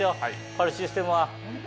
パルシステムは。